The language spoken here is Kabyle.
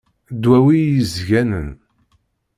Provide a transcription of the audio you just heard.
Ddwawi iyi-sganen.